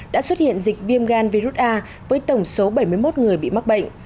đã xuất hiện dịch viêm gan virus a với tổng số bảy mươi một người bị mắc bệnh